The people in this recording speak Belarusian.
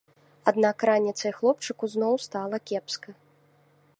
Аднак раніцай хлопчыку зноў стала кепска.